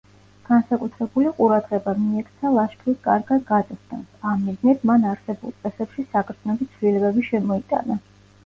განსაკუთრებული ყურადღება მიექცა ლაშქრის კარგად გაწვრთნას, ამ მიზნით მან არსებულ წესებში საგრძნობი ცვლილებები შემოიტანა.